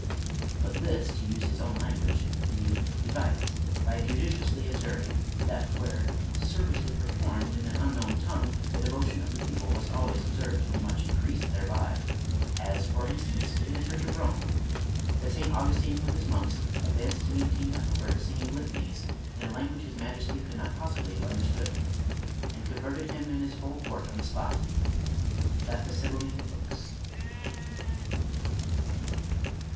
But this (to use his own language) he: " evites," by judiciously observing, that where service was performed in an unknown tongue, the devotion of the: people was always observed to be much increased thereby;, as, for instance, in the church of Rome, — that St. Augus tine, with his monks, advanced to meet King Ethelbert singing litanies (in a language his majesty could not pos sibly have understood), and converted him and his whole court on the spot ;— ^that the sybilline books